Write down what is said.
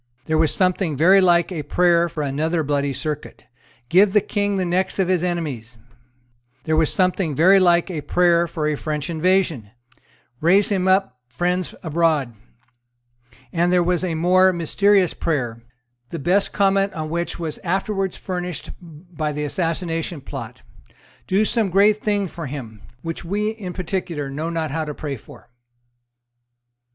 There was something very like a prayer for another Bloody Circuit; "Give the King the necks of his enemies;" there was something very like a prayer for a French invasion; "Raise him up friends abroad;" and there was a more mysterious prayer, the best comment on which was afterwards furnished by the Assassination Plot; "Do some great thing for him; which we in particular know not how to pray for."